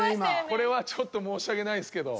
これはちょっと申し訳ないですけど。